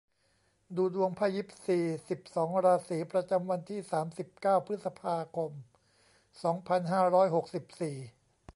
ดูดวงไพ่ยิปซี สิบสอง ราศี ประจำวันที่ สามสิบเก้า พฤษภาคม สองพันห้าร้อยหกสิบสี่